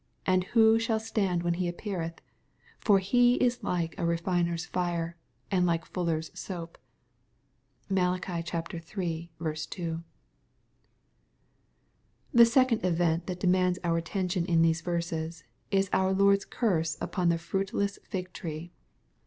and who shall stand when He appeareth ? for He is like a refiner's fire, and like fuller's soap." (MaL iii 2.) The second event that demands our attention ii^ these verses, is our Lord's curse upon the fruitless Jig 4ree.